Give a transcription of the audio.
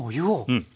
うん。